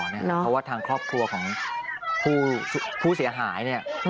เพราะว่าทางครอบครัวของผู้เสียหายเนี่ย